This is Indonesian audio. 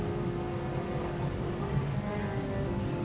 agar kita bisa bekerja bersama lagi